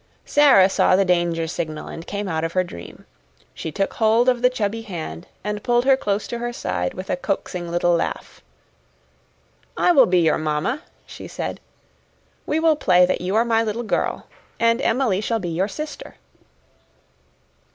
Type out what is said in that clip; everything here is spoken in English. Sara saw the danger signal, and came out of her dream. She took hold of the chubby hand and pulled her close to her side with a coaxing little laugh. "I will be your mamma," she said. "We will play that you are my little girl. And Emily shall be your sister."